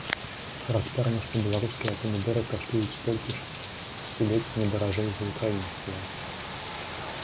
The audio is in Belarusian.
Характэрна, што беларускія памідоры каштуюць столькі ж ці ледзь не даражэй за ўкраінскія.